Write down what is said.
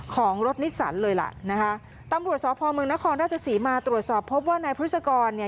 ของรถนิสสันเลยล่ะนะคะตำรวจสพเมืองนครราชศรีมาตรวจสอบพบว่านายพฤษกรเนี่ย